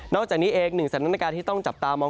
จากนี้เองหนึ่งสถานการณ์ที่ต้องจับตามอง